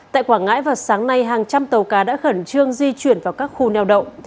tại quảng ngãi vào sáng nay hàng trăm tàu cá đã khẩn trương di chuyển vào các khu neo đậu